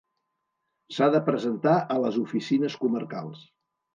S'ha de presentar a les oficines comarcals.